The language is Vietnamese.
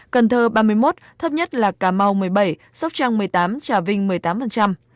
cần thơ ba mươi một thấp nhất là cà mau một mươi bảy sóc trăng một mươi tám trà vinh một mươi tám